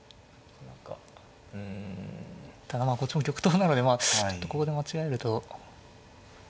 うんただまあこっちも玉頭なのでちょっとここで間違えると。